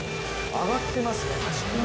上がってますね、確かに。